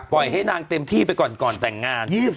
ปล่อยให้นางเต็มที่ไปก่อนแต่งงาน